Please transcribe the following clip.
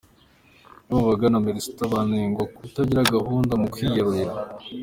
Bamwe mu bagana amaresitora banengwa kutagira gahunda mu kwiyarurira